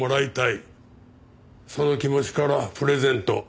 その気持ちからプレゼント